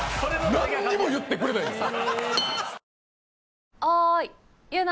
なんにも言ってくれないんですよ。